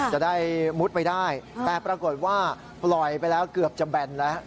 จะได้มุดไปได้แต่ปรากฏว่าปล่อยไปแล้วเกือบจะแบนแล้ว